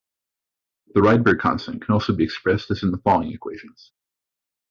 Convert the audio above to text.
The Rydberg constant can also be expressed as in the following equations.